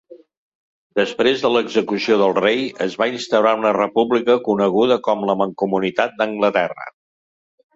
Després de l'execució del rei, es va instaurar una república coneguda com la Mancomunitat d'Anglaterra.